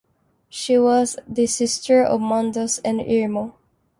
She was the sister of Mandos and Irmo.